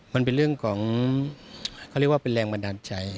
มันเป็นเรื่องของเขาเรียกว่าเป็นแรงบันดาลใจ